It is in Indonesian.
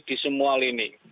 di semua lini